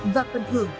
và phần thưởng